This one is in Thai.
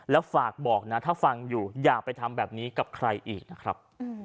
แล้วฝากบอกนะถ้าฟังอยู่อย่าไปทำแบบนี้กับใครอีกนะครับ